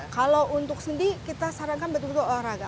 kalau untuk sendi kita sarankan betul betul olahraga